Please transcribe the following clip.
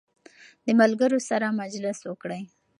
د ملګرو سره مجلس وکړئ.